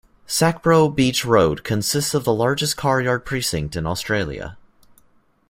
Sacbrough Beach Rd consists of the largest car yard precinct in Australia.